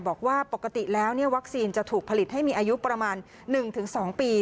บอกว่าปกติแล้ววัคซีนจะถูกผลิตให้มีอายุประมาณ๑๒ปี